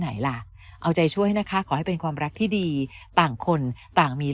ไหนล่ะเอาใจช่วยนะคะขอให้เป็นความรักที่ดีต่างคนต่างมี